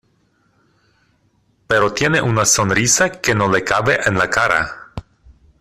pero tiene una sonrisa que no le cabe en la cara.